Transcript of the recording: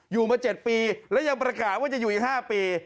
อยู่มา๗ปีแล้วยังประกาศว่าจะอยู่อีก๕ปี